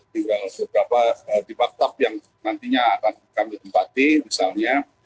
tinggal beberapa dipak tap yang nantinya akan kami tempati misalnya